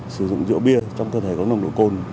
sử dụng rượu bia trong cơ thể có nồng đội côn